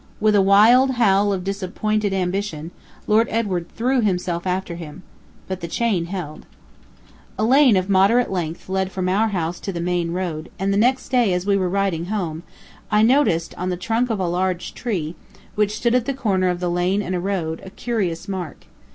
With a wild howl of disappointed ambition, Lord Edward threw himself after him. But the chain held. A lane of moderate length led from our house to the main road, and the next day, as we were riding home, I noticed, on the trunk of a large tree, which stood at the corner of the lane and road, a curious mark.